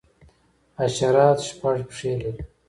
حشرات شپږ پښې لري